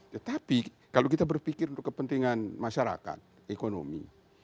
tetapi kalau kita berpikir untuk kepentingan masyarakat ekonomi